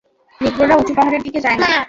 নিগ্রোরা উচু পাহাড়ের দিকে যায় না।